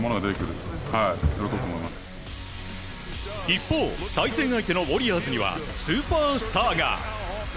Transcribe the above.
一方対戦相手のウォリアーズにはスーパースターが。